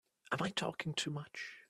Am I talking too much?